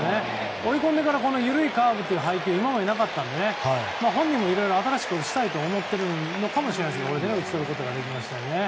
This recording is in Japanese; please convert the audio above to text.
追い込んでから緩いカーブという配球今までなかったので本人もいろいろと新しくしたいと思っているのかもしれないですが打ち取ることができましたね。